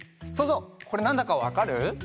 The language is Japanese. そうぞうこれなんだかわかる？